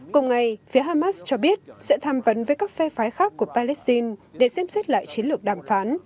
cùng ngày phía hamas cho biết sẽ tham vấn với các phe phái khác của palestine để xem xét lại chiến lược đàm phán